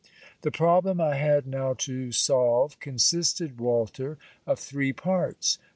The problem I had now to solve, consisted, Walter, of three parts.